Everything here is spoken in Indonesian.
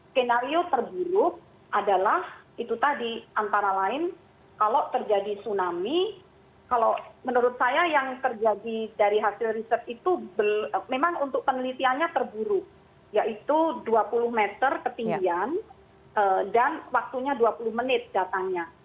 skenario terburuk adalah itu tadi antara lain kalau terjadi tsunami kalau menurut saya yang terjadi dari hasil riset itu memang untuk penelitiannya terburuk yaitu dua puluh meter ketinggian dan waktunya dua puluh menit datangnya